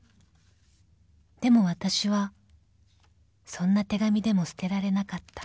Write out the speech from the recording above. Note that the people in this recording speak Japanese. ［でもわたしはそんな手紙でも捨てられなかった］